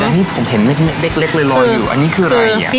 อันนี้ผมเห็นใกล้เล็กเลยรอยอยู่อันนี้คืออะไร